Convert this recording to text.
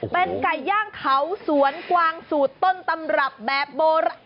เป็นไก่ย่างเขาสวนกวางสูตรต้นตำรับแบบโบราณ